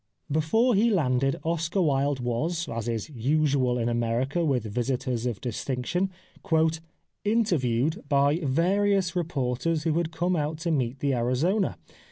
Before he landed Oscar Wilde was, as is usual in America with visitors of distinction, " inter viewed " by various reporters who had come out to meet the Arizona.